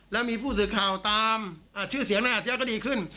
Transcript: แล้วมีผู้สื่อข่าวตามชื่อเสียงนายอาเจี๊ยก็ดีขึ้น